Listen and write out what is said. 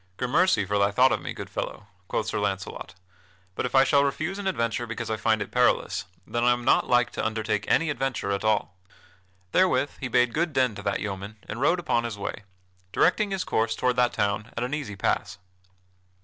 "Grammercy for thy thought of me, good fellow," quoth Sir Launcelot, "but if I shall refuse an adventure because I find it perilous, then I am not like to undertake any adventure at all." Therewith he bade good den to that yeoman and rode upon his way, directing his course toward that town at an easy pass.